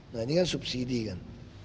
nah ini kan subsidi kan